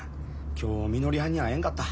今日みのりはんに会えんかった。